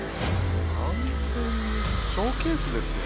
完全にショーケースですよ。